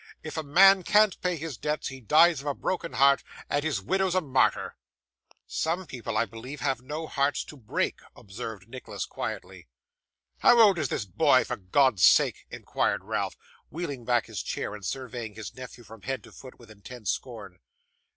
If a man can't pay his debts, he dies of a broken heart, and his widow's a martyr.' 'Some people, I believe, have no hearts to break,' observed Nicholas, quietly. 'How old is this boy, for God's sake?' inquired Ralph, wheeling back his chair, and surveying his nephew from head to foot with intense scorn.